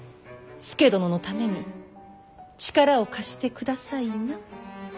佐殿のために力を貸してくださいな。